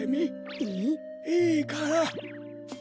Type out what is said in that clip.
いいから。